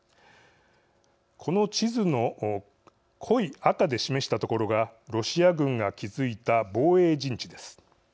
この地図の濃い赤で示した所がロシア軍が築いた防衛陣地です。